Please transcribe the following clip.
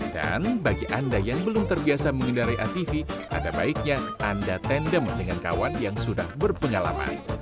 dan bagi anda yang belum terbiasa menghindari atv ada baiknya anda tandem dengan kawan yang sudah berpengalaman